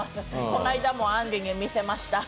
この間もあんりに見せました。